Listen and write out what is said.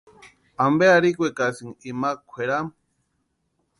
¿Ampe arhikwekasïnki ima kwʼeramu?